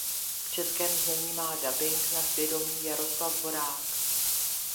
V českém znění má dabing na svědomí Jaroslav Horák.